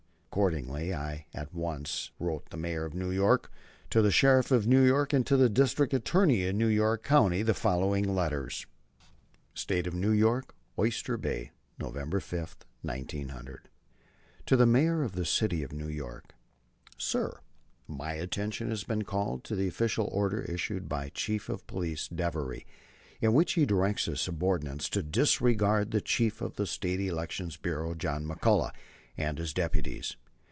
Accordingly, I at once wrote to the Mayor of New York, to the Sheriff of New York, and to the District Attorney of New York County the following letters: STATE OF NEW YORK OYSTER BAY, November 5, 1900. To the Mayor of the City of New York. Sir: My attention has been called to the official order issued by Chief of Police Devery, in which he directs his subordinates to disregard the Chief of the State Election Bureau, John McCullagh, and his deputies.